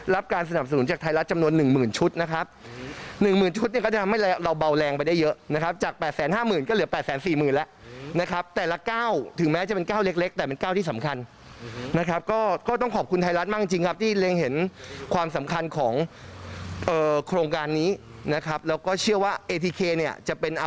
รับการสนับสนุนจากไทยรัฐจำนวนหนึ่งหมื่นชุดนะครับหนึ่งหมื่นชุดก็จะทำให้เราเบาแรงไปได้เยอะนะครับจากแปดแสนห้าหมื่นก็เหลือแปดแสนสี่หมื่นแล้วนะครับแต่ละก้าวถึงแม้จะเป็นก้าวเล็กแต่เป็นก้าวที่สำคัญนะครับก็ก็ต้องขอบคุณไทยรัฐมากจริงครับที่เรียงเห็นความสำคัญของโครงการนี้นะครับแล้วก็